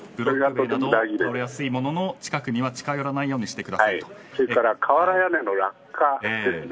倒れやすい物の近くには近寄らないようにしてくださいとそして瓦屋根の落下ですね。